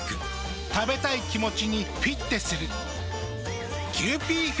食べたい気持ちにフィッテする。